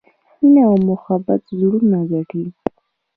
مینه او محبت زړونه ګټي.